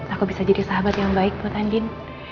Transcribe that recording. aku bisa jadi sahabat yang baik buat andin